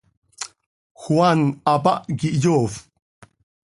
Juan hapáh quih yoofp.